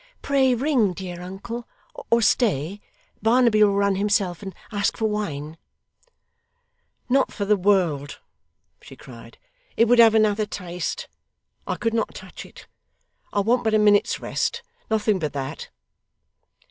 'Pray ring, dear uncle or stay Barnaby will run himself and ask for wine ' 'Not for the world,' she cried. 'It would have another taste I could not touch it. I want but a minute's rest. Nothing but that.